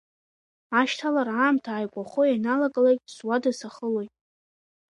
Ашьҭалара аамҭа ааигәахо ианалагалакь суада сахылоит.